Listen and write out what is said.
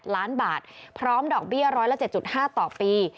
๑๑๘๘๘ล้านบาทพร้อมดอกเบี้ยร้อยละ๗๕ต่อปี